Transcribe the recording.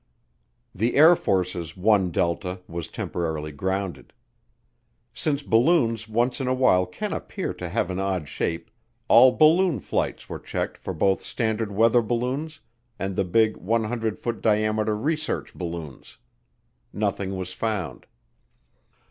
The Air Force's one delta was temporarily grounded. Since balloons once in a while can appear to have an odd shape, all balloon flights were checked for both standard weather balloons and the big 100 foot diameter research balloons. Nothing was found.